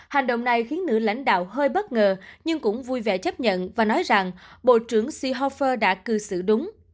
hành động này khiến nữ lãnh đạo hơi bất ngờ nhưng cũng vui vẻ chấp nhận và nói rằng bộ trưởng shihofer đã cư xử đúng